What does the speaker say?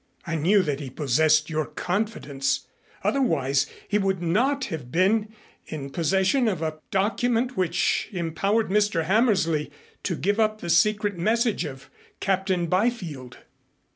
I knew that he possessed your confidence, otherwise he would not have been in possession of a document which empowered Mr. Hammersley to give up the secret message of Captain Byfield.